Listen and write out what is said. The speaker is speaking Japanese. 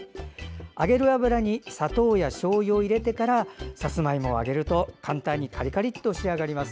揚げる油に砂糖やしょうゆを入れてからさつまいもを揚げると簡単にカリカリっと仕上がります。